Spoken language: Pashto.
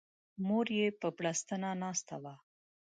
مور یې په بړستنه ناسته وه.